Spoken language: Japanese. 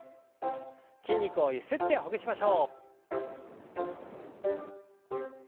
筋肉をゆすってほぐしましょう。